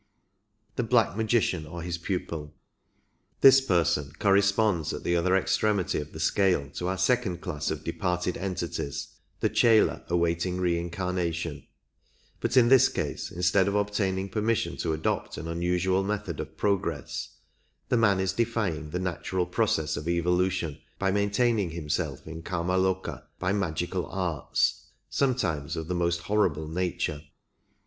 9. The Black Magician or his pupil This person corre sponds at the other extremity of the scale to our second class of departed entities, the chela awaiting reincarnation, but in this case, instead of obtaining permission to adopt an unusual method of progress, the man is defying the natural process of evolution by maintaining himself in K^maloka by magical arts — sometimes of the most horrible nature.